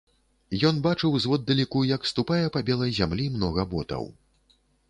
Ён бачыў зводдалеку, як ступае па белай зямлі многа ботаў.